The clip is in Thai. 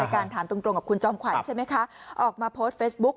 คุณจอมขวัญใช่ไหมคะออกมาโพสต์เฟซบุ๊ก